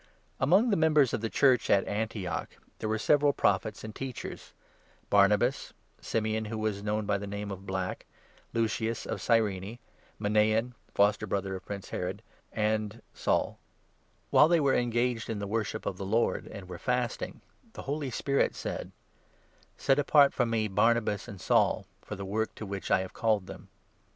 PAUL'S FIRST Among the members of the Church at Antioch MISSIONARY there were several Prophets and Teachers — JOURNEY. Barnabas, Simeon who was known by the name TH« start of ' Black ', Lucius of Cyrene, Manaen, foster from Antioch. brother of Prince Herod, and Saul. While 238 THE ACTS, 13. they were engaged in the worship of the Lord and were fasting, the Holy Spirit said : "Set apart for me Barnabas and Saul, for the work to which I have called them."